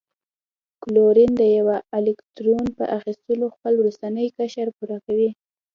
کلورین د یوه الکترون په اخیستلو خپل وروستنی قشر پوره کوي.